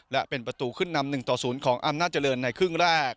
และเป็นประตูขึ้นนำ๑ต่อ๐ของอำนาจเจริญในครึ่งแรก